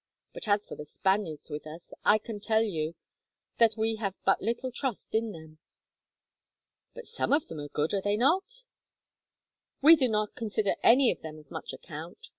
But as for the Spaniards with us, I can tell you that we have but little trust in them." "But some of them are good, are they not?" "We do not consider any of them of much account.